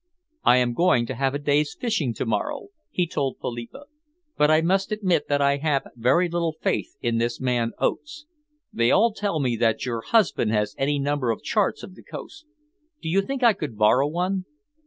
"I am going to have a day's fishing to morrow," he told Philippa, "but I must admit that I have very little faith in this man Oates. They all tell me that your husband has any number of charts of the coast. Do you think I could borrow one?"